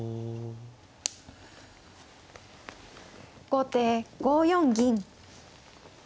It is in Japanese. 後手５四銀。